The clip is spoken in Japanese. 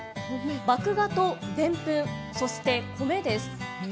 麦芽とでんぷん、そして米です。